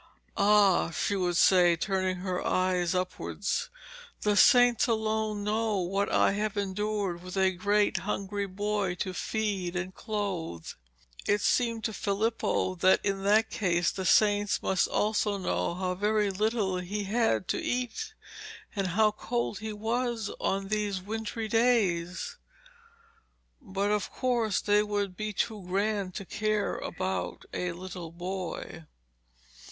'Ah,' she would say, turning her eyes upwards, 'the saints alone know what I have endured with a great hungry boy to feed and clothe.' It seemed to Filippo that in that case the saints must also know how very little he had to eat, and how cold he was on these wintry days. But of course they would be too grand to care about a little boy.